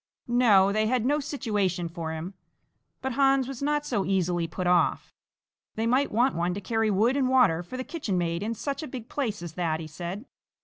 No, they had no situation for him; but Hans was not so easily put off they might want one to carry wood and water for the kitchenmaid in such a big place as that, he said.